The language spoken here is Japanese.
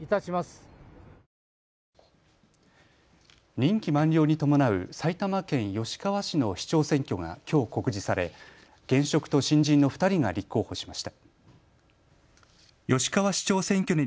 任期満了に伴う埼玉県吉川市の市長選挙がきょう告示され、現職と新人の２人が立候補しました。